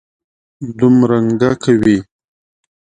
دومرنګه کوي.